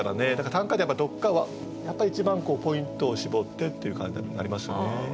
短歌でどっかはやっぱり一番ポイントを絞ってっていう感じにはなりますね。